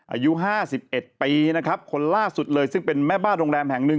อายุ๕๑ปีนะครับคนล่าสุดเลยซึ่งเป็นแม่บ้านโรงแรมแห่งหนึ่ง